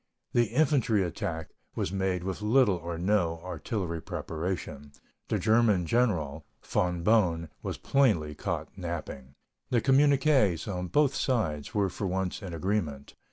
The infantry attack was made with little or no artillery preparation. The German general, Von Boehm, was plainly caught napping. The communiqués of both sides were for once in agreement.